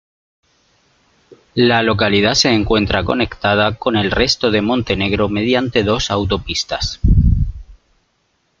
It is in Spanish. La localidad se encuentra conectada con el resto de Montenegro mediante dos autopistas.